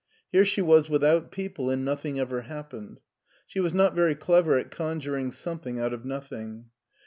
Here she was without people and nothing ever happened. She was not very clever at conjuring something out of nothing.